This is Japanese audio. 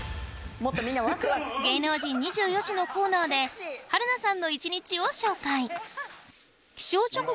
芸能人２４時のコーナーで春菜さんの１日を紹介